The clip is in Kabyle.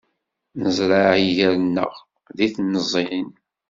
Nezreɛ iger-nneɣ d timẓin.